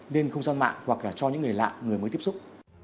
lên không gian mạng hoặc là cho những người lạ người mới tiếp xúc